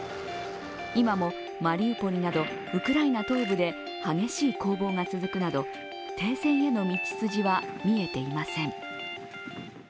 今もマリウポリなどウクライナ東部で激しい攻防が続くなど停戦への道筋は見えていません。